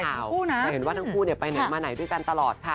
คือถ้าใครทั้งข่าวใครเห็นว่าทั้งคู่ไปเหนือมาไหนด้วยกันตลอดค่ะ